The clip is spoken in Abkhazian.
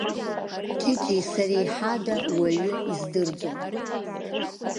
Ҷыҷи сареи ҳада уаҩы издырӡом.